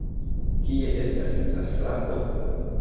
Kie estas la sapo?